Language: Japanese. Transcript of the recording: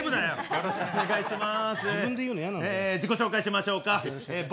よろしくお願いします